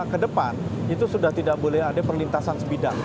ke depan itu sudah tidak boleh ada perlintasan sebidang